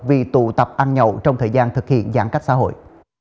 vì tụ tập ăn nhậu trong thời gian thực hiện giãn cách xã hội